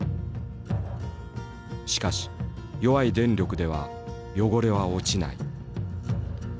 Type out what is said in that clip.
しかし弱い電力では汚れは落ちない。